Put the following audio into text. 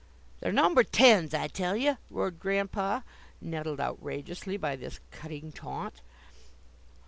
"They're number tens, I tell ye!" roared Grandpa nettled outrageously by this cutting taunt.